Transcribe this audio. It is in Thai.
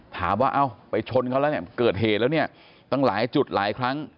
ถามว่าเอ้าไปชนเขาแล้วเนี่ยเกิดเหตุแล้วเนี่ยตั้งหลายจุดหลายครั้ง